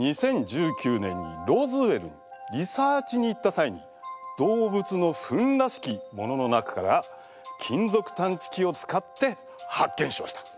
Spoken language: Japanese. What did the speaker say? ２０１９年にロズウェルにリサーチに行った際に動物のふんらしきものの中から金属探知機を使って発見しました。